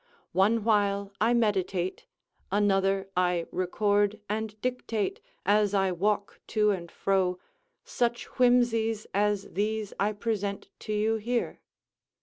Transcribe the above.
One while I meditate, another I record and dictate, as I walk to and fro, such whimsies as these I present to you here.